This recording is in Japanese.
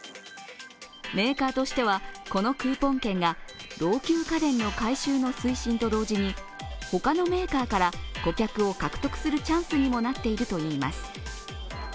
メーカーとしては、このクーポン券が、老朽家電の回収の推進と同時に他のメーカーから顧客を獲得するチャンスにもなっているといいます。